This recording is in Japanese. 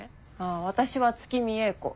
私は月見英子。